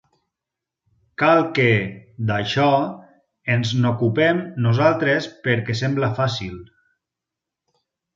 Cal que, d'això, ens n'ocupem nosaltres perquè sembla fàcil.